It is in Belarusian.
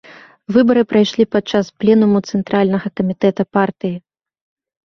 Выбары прайшлі падчас пленуму цэнтральнага камітэта партыі.